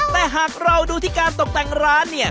แต่หากเราดูที่การตกแต่งร้านเนี่ย